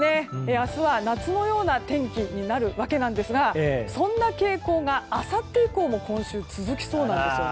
明日は夏のような天気になるんですがそんな傾向があさって以降も今週は続きそうなんです。